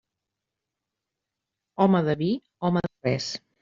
Home de vi, home de res.